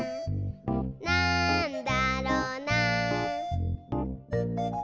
「なんだろな？」